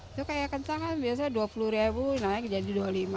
itu kayak kencang kan biasanya dua puluh ribu naik jadi rp dua puluh lima